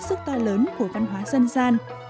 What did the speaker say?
sức to lớn của văn hóa dân gian